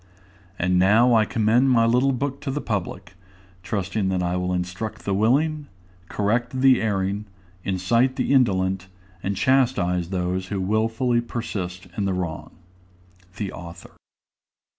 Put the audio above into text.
And now I commend my little book to the public, trusting that it will instruct the willing, correct the erring, incite the indolent, and chastise those who wilfully persist in the wrong. THE AUTHOR.